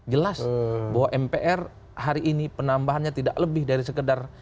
jelas bahwa mpr hari ini penambahannya tidak lebih dari sekedar